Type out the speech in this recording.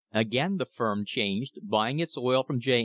Again the firm changed, buying its oil from J.